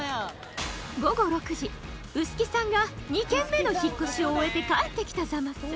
午後６時臼木さんが２件目の引っ越しを終えて帰ってきたザマス。